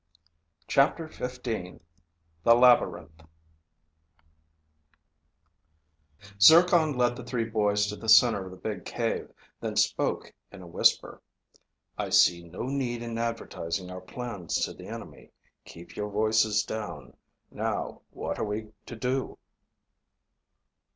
CHAPTER XV The Labyrinth Zircon led the three boys to the center of the big cave, then spoke in a whisper. "I see no need in advertising our plans to the enemy. Keep your voices down. Now, what are we to do?"